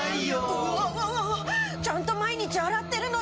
うわわわわちゃんと毎日洗ってるのに。